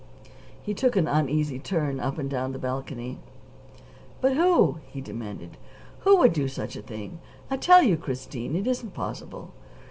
He took an uneasy turn up and down the balcony. "But who?" he demanded. "Who would do such a thing? I tell you, Christine, it isn't possible."